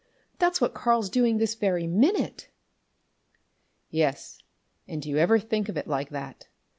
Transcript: That's what Karl's doing this very minute!" "Yes, and do you ever think of it like that?